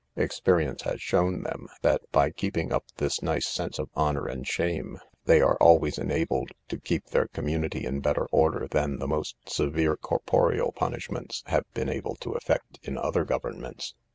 Experience has shown them, that, by keeping up this nice sense of honour and shame, they are always enabled to keep their community in better order than the most severe corporeal punishments have been able to effect in other governments.